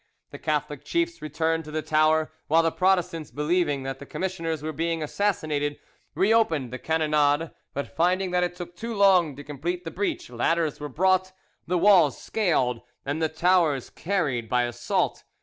The Catholic chiefs returned to the tower, while the Protestants, believing that the commissioners were being assassinated, reopened the cannonade; but finding that it took too long to complete the breach, ladders were brought, the walls scaled, and the towers carried by assault.